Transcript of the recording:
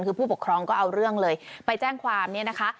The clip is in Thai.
คือผู้ปกครองก็เอาเรื่องเลยไปแจ้งความเนี่ยนะคะ